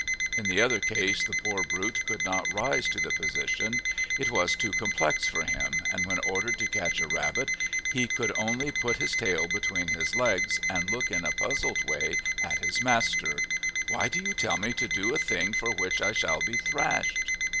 In the other case the poor brute could not rise to the position; it was too complex for him, and when ordered to catch a rabbit he could only put his tail between his legs and look in a puzzled way at his master. "Why do you tell me to do a thing for which I shall be thrashed?"